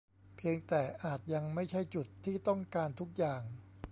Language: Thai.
เพียงแต่อาจยังไม่ใช่จุดที่ต้องการทุกอย่าง